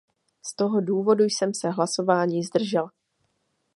Z toho důvodu jsem se hlasování zdržel.